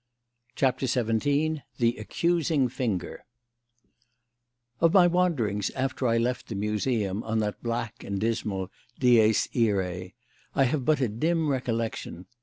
CHAPTER XVII THE ACCUSING FINGER Of my wanderings after I left the Museum on that black and dismal dies irae, I have but a dim recollection.